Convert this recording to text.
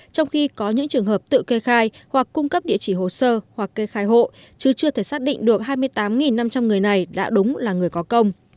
trong khi có những trường hợp tự kê khai hoặc cung cấp địa chỉ hồ sơ hoặc kê khai hộ chứ chưa thể xác định được hai mươi tám năm trăm linh người này đã đúng là người có công